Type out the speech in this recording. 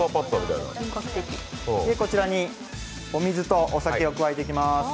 こちらにお水とお酒を加えていきます。